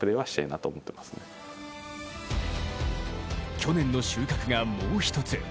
去年の収穫がもう一つ。